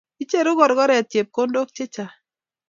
Icheru korkoret chepkondok che chang